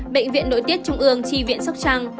bệnh viện nội tiết trung ương chi viện sóc trăng